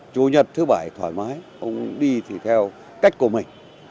chủ nhật thứ bảy thoải mái ông đi thì theo cách của mình